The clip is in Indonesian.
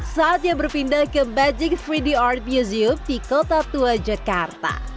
saatnya berpindah ke magic tiga d art museum di kota tua jakarta